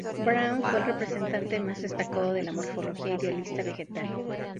Braun fue el representante más destacado de la morfología idealista vegetal.